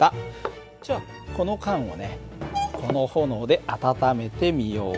じゃあこの缶をねこの炎で温めてみよう。